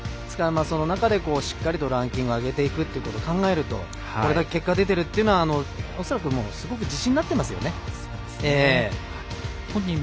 その中でしっかりとランキングを上げていくということを考えるとこれだけ結果出てるっていうのは恐らくすごく自信になっていますよね。